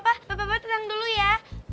bapak bapak tenang dulu ya